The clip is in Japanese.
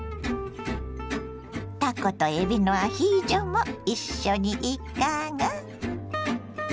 たことえびのアヒージョも一緒にいかが。